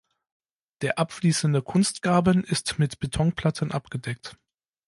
Der abfließende Kunstgraben ist mit Betonplatten abgedeckt.